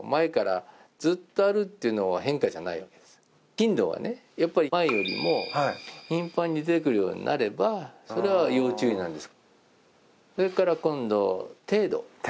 頻度が前よりも頻繁に出てくるようになればそれは要注意なんです。